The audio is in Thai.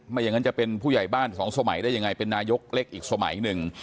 อย่างนั้นจะเป็นผู้ใหญ่บ้านสองสมัยได้ยังไงเป็นนายกเล็กอีกสมัยหนึ่ง